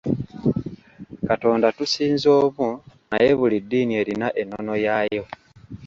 Katonda tusinza omu naye buli ddiini erina ennono yaayo.